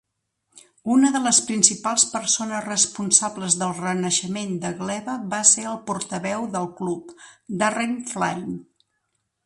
Una de les principals persones responsables del renaixement de Glebe va ser el portaveu del club, Darren Flynn.